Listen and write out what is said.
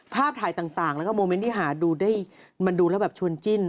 ภาพถ่ายต่างแล้วก็โมเมนต์ที่หาดูได้มันดูแล้วแบบชวนจิ้น